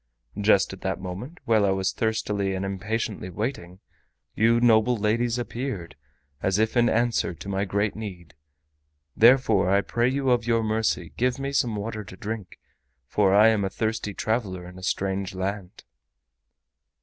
Just at that moment, while I was thirstily and impatiently waiting, you noble ladies appeared, as if in answer to my great need. Therefore I pray you of your mercy give me some water to drink, for I am a thirsty traveler in a strange land."